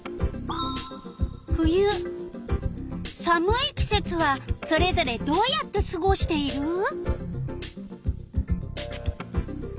寒い季節はそれぞれどうやってすごしている？